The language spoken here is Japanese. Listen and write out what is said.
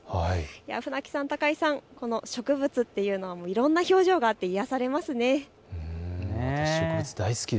船木さん、高井さん、この植物というのはいろいろな表情があって癒やされますね。